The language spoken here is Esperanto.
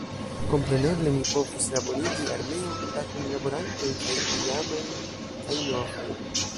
Kompreneble mi povus laborigi armeon da kunlaborantoj, kaj iamajn kaj novajn.